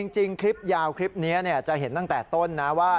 จริงคลิปยาวคลิปนี้จะเห็นตั้งแต่ต้นนะว่า